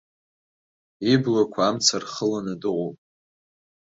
Иблақәа амца рхыланы дыҟоуп.